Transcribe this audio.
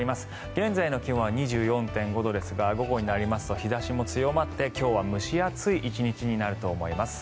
現在の気温は２４．５度ですが午後になりますと日差しも強まって今日は蒸し暑い１日になると思います。